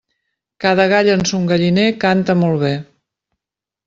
Cada gall en son galliner canta molt bé.